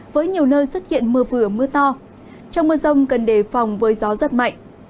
với nhiều nơi xuất hiện mưa vừa mưa to trong mưa rông cần đề phòng với gió rất mạnh